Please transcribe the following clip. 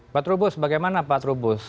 pak trubus bagaimana pak trubus